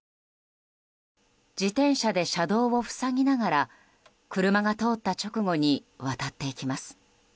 自転車で車道を塞ぎながら車が通った直後に渡っていきます。